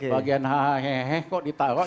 bagian hahaha hehehe kok ditaruh gimana